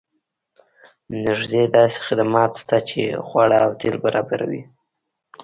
نږدې داسې خدمات شته چې خواړه او تیل برابروي